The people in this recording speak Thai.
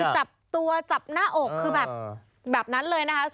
จับตัวจับหน้าอกคือแบบนั้นเลยนะคะ